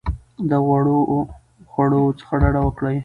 د غوړو خوړو څخه ډډه وکړئ.